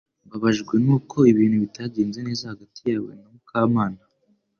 Mbabajwe nuko ibintu bitagenze neza hagati yawe na Mukamana